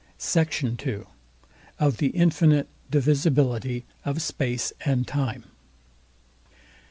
SECT. II. OF THE INFINITE DIVISIBILITY OF SPACE AND TIME.